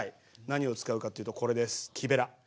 何を使うかというとこれです木べら。